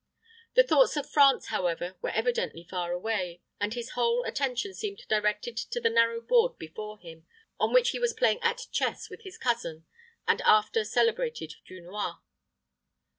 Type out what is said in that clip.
The thoughts of France, however, were evidently far away, and his whole attention seemed directed to the narrow board before him, on which he was playing at chess with his cousin, the after celebrated Dunois.